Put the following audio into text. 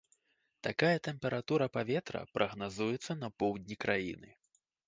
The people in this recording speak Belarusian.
Такая тэмпература паветра прагназуецца па поўдні краіны.